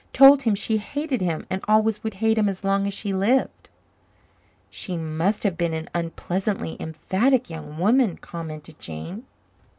Told him she hated him and always would hate him as long as she lived." "She must have been an unpleasantly emphatic young woman," commented Jane.